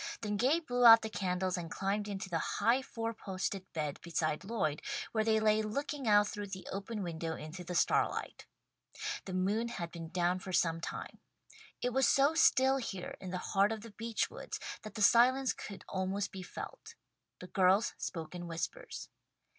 Then Gay blew out the candles and climbed into the high four posted bed beside Lloyd, where they lay looking out through the open window into the starlight. The moon had been down for some time. It was so still here in the heart of the beech woods that the silence could almost be felt. The girls spoke in whispers.